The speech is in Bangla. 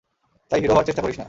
তাই হিরো হওয়ার চেষ্টা করিস না।